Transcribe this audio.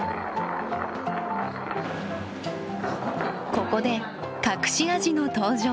ここで隠し味の登場。